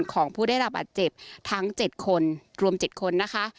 ของผู้ได้รับบัตรเจ็บทั้ง๗คนรวม๗คนนะคะ